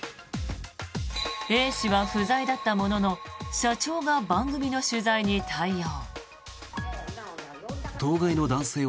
Ａ氏は不在だったものの社長が番組の取材に対応。